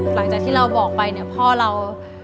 หลังจากที่เราบอกไปพ่อเรา